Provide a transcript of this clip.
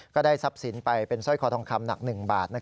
ก็ได้ทรัพย์สินไปเป็นสร้อยคอทองคำหนัก๑บาท